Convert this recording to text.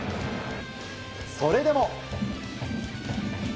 それでも。